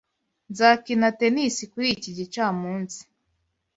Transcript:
Nzakina tennis kuri iki gicamunsi.